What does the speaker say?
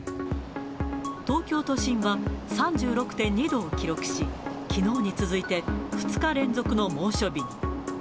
東京都心は３６．２度を記録し、きのうに続いて２日連続の猛暑日に。